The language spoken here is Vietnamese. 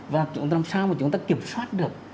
và chúng ta làm sao mà chúng ta kiểm soát được